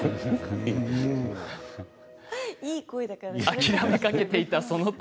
諦めかけていた、その時。